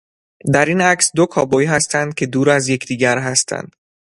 در این عکس دو کابوی هستند که دور از یکدیگر هستند.